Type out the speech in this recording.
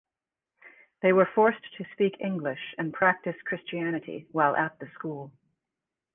They were forced to speak English and practice Christianity while at the school.